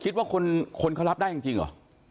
คิดว่าคนเขารับได้จริงเหรอ